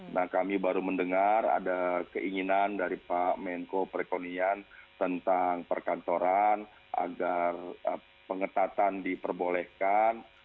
nah kami baru mendengar ada keinginan dari pak menko perekonomian tentang perkantoran agar pengetatan diperbolehkan